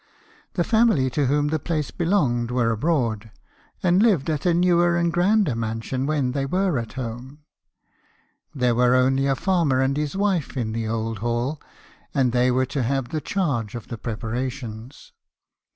The family to whom the place belonged were abroad , and lived at a newer and grander mansion when they were at home ; there were only a farmer and his wife in the old hall, and they were to have the charge of the preparations.